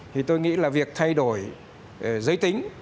thì tôi nghĩ là việc thay đổi giới tính